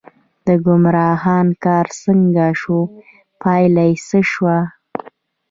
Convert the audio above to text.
د حکمران کار څنګه شو، پایله یې څه شوه.